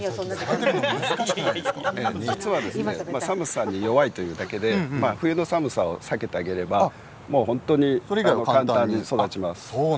実は、寒さに弱いというだけで冬の寒さを避けてあげれば簡単に育ちます。